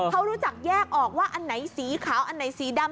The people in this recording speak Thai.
เขารู้จักแยกออกว่าอันไหนสีขาวอันไหนสีดำ